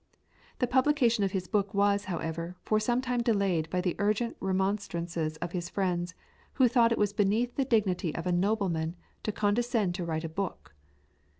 The publication of his book was however, for some time delayed by the urgent remonstrances of his friends, who thought it was beneath the dignity of a nobleman to condescend to write a book.